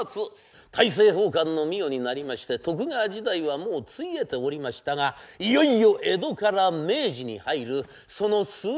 大政奉還の御代になりまして徳川時代はもうついえておりましたがいよいよ江戸から明治に入るその数日間のお物語。